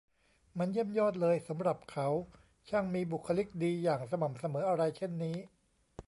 มันเยี่ยมยอดเลยสำหรับเขา ช่างมีบุคคลิกดีอย่างสม่ำเสมออะไรเช่นนี้